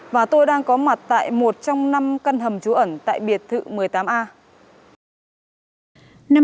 và tôi đang có mặt tại một trong năm căn hầm trú ẩn tại biệt thự một mươi tám a